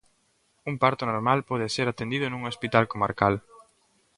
Un parto normal pode ser atendido nun hospital comarcal.